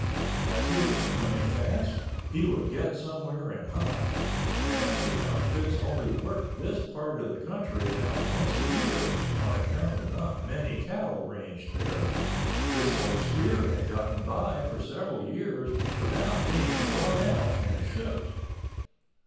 As he was plenty fast, he would get somewhere and hide, and as the outfits only worked this part of the country about once a year on account of not many cattle ranged there, this old steer had gotten by for several years without being brought out and shipped.